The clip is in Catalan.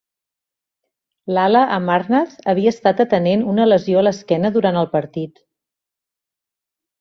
Lala Amarnath havia estat atenent una lesió a l"esquena durant el partit.